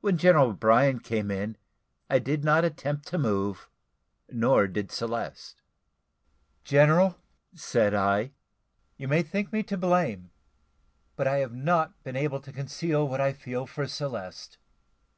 When General O'Brien came in, I did not attempt to move, nor did Celeste. "General," said I, "you may think me to blame, but I have not been able to conceal what I feel for Celeste.